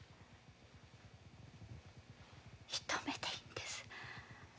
一目でいいんです。